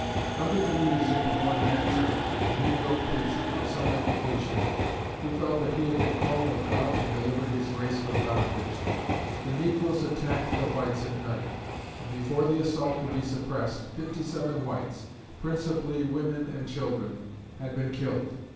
Under the leadership of one Nat Turner, a negro preacher of some education, who felt that he had been called of God to deliver his race from bondage, the negroes attacked the whites at night, and before the assault could be suppressed, fifty seven whites, principally women and children, had been killed.